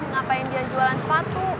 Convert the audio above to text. ngapain dia jualan sepatu